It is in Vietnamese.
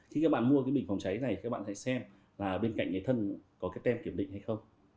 khi các bạn mua cái bình phòng cháy này các bạn hãy xem là bên cạnh cái thân có cái tem kiểm định hay không